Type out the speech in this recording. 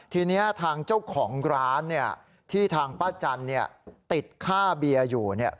ทีนี้ทางเจ้าของร้านที่ทางป้าจันติดค่าเบียร์อยู่